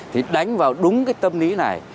thì đánh vào đúng cái tâm lý này